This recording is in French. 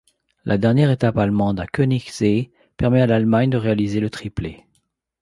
La dernière étape allemande à Königssee permet à l'Allemagne de réaliser le triplé.